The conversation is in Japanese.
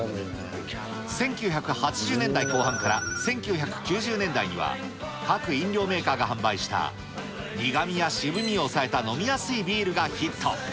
１９８０年代後半から１９９０年代には、各飲料メーカーが販売した、苦みや渋みを抑えた飲みやすいビールがヒット。